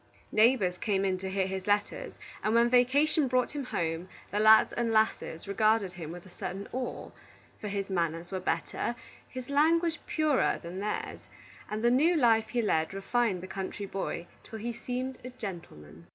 Neighbors came in to hear his letters, and when vacation brought him home, the lads and lasses regarded him with a certain awe; for his manners were better, his language purer, than theirs, and the new life he led refined the country boy till he seemed a gentleman.